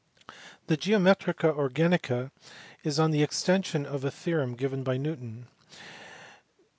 The Geometria Organica is on the extension of a theorem given by Newton.